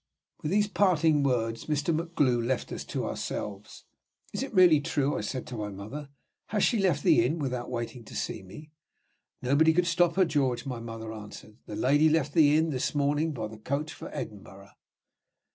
With those parting words, Mr. MacGlue left us to ourselves. "Is it really true?" I said to my mother. "Has she left the inn, without waiting to see me?" "Nobody could stop her, George," my mother answered. "The lady left the inn this morning by the coach for Edinburgh."